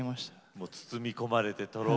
もう包み込まれてとろけた。